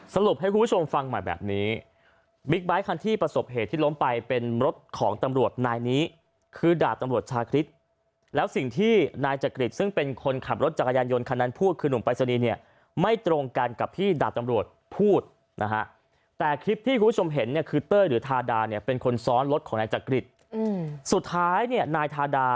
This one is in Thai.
สรุปให้คุณผู้ชมฟังใหม่แบบนี้บิ๊กไบท์คันที่ประสบเหตุที่ล้มไปเป็นรถของตำรวจนายนี้คือดาดตำรวจทาคริสต์แล้วสิ่งที่นายจักริจซึ่งเป็นคนขับรถจักรยานยนต์คนนั้นพูดคือนุ่มปริศนีเนี่ยไม่ตรงกันกับที่ดาดตำรวจพูดนะฮะแต่คลิปที่คุณผู้ชมเห็นเนี่ยคือเต้ยหรือทาดาเนี่ย